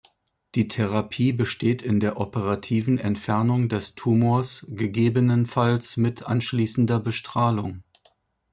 Die Therapie besteht in der operativen Entfernung des Tumors, gegebenenfalls mit anschließender Bestrahlung.